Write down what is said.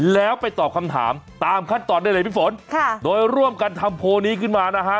แล้วไปตอบคำถามตามขั้นตอนได้เลยพี่ฝนค่ะโดยร่วมกันทำโพลนี้ขึ้นมานะฮะ